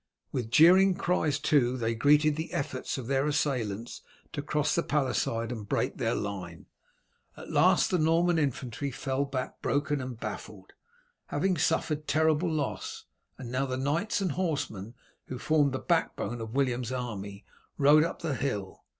With jeering cries too they greeted the efforts of their assailants to cross the palisade and break their line. At last the Norman infantry fell back broken and baffled, having suffered terrible loss, and now the knights and horsemen, who formed the backbone of William's army, rode up the hill.